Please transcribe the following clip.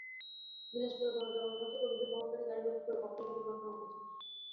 দিনাজপুরে গণজাগরণ মঞ্চের কর্মীদের বহনকারী গাড়ি লক্ষ্য করে ককটেল নিক্ষেপের ঘটনা ঘটেছে।